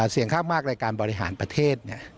เสียงข้างมากในการบริหารประเทศ